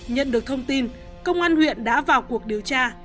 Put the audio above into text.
nhận được thông tin công an huyện đã vào cuộc điều tra